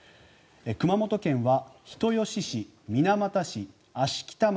熊本県は人吉市、水俣市、芦北町